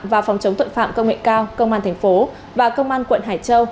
và phòng chống tội phạm công nghệ cao công an tp và công an quận hải châu